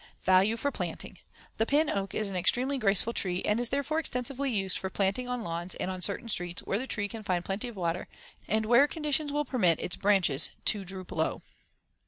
Value for planting: The pin oak is an extremely graceful tree and is therefore extensively used for planting on lawns and on certain streets where the tree can find plenty of water and where conditions will permit its branches to droop low.